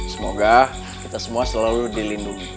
semoga kita semua selalu dilindungi